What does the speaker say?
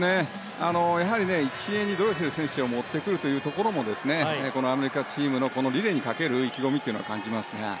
やはり１泳にドレセル選手を持ってくるところもこのアメリカチームのリレーにかける意気込みを感じますが。